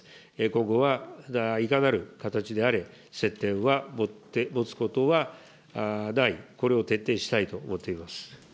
今後はいかなる形であれ、接点は持つことはない、これを徹底したいと思っています。